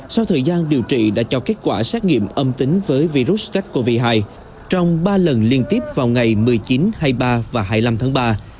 sau thời gian điều trị đã cho kết quả xét nghiệm âm tính với virus sars cov hai trong ba lần liên tiếp vào ngày một mươi chín hai mươi ba và hai mươi năm tháng ba